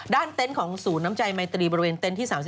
เต็นต์ของศูนย์น้ำใจไมตรีบริเวณเต็นต์ที่๓๔